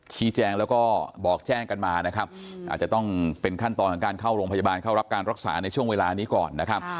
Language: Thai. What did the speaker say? ชี้แจงแล้วก็บอกแจ้งกันมานะครับอาจจะต้องเป็นขั้นตอนของการเข้าโรงพยาบาลเข้ารับการรักษาในช่วงเวลานี้ก่อนนะครับ